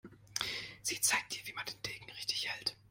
Sie zeigt ihr, wie man den Degen richtig hält.